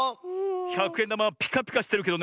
ひゃくえんだまはピカピカしてるけどね